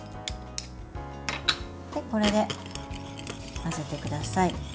これで、混ぜてください。